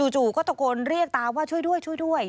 จู่ก็ตกลเรียกตาว่าช่วยด้วย